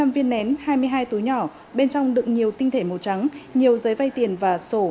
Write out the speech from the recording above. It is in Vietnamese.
một mươi viên nén hai mươi hai túi nhỏ bên trong đựng nhiều tinh thể màu trắng nhiều giấy vay tiền và sổ